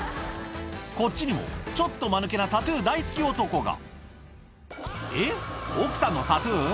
こっちにもちょっとマヌケなタトゥー大好き男がえっ奥さんのタトゥー？